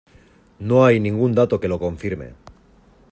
No hay ningún dato que lo confirme.